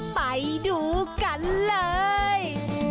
ไปดูกันเลย